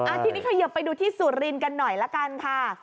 ทีนี้เขยิบไปดูที่สุรินทร์กันหน่อยละกันค่ะ